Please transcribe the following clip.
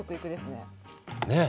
ねえ。